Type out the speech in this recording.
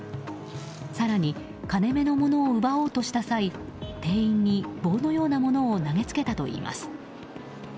更に、金目の物を奪おうとした際店員に棒のようなものを投げつけたといいます。